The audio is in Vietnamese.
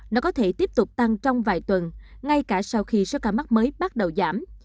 nó có thể tiếp tục tăng trong vài tuần ngay cả sau khi số ca mắc mới bắt đầu giảm